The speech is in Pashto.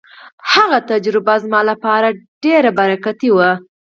هغه تجربه زما لپاره ډېره برکتي وه.